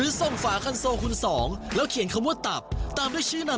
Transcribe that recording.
เวลาก้านาฬิกา๓๐นาที